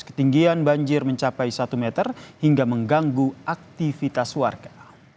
ketinggian banjir mencapai satu meter hingga mengganggu aktivitas warga